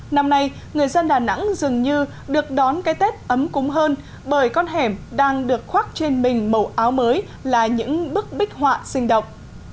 năm nay người dân đà nẵng dường như được đón cái tết ấm cúng hơn bởi con hẻm đang được khoác trên mình màu áo mới là những bức bích họa sinh động